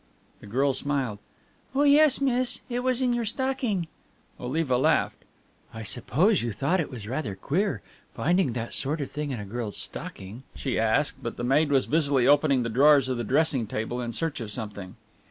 The girl smiled. "Oh yes, miss. It was in your stocking." Oliva laughed. "I suppose you thought it was rather queer, finding that sort of thing in a girl's stocking," she asked, but the maid was busily opening the drawers of the dressing table in search of something.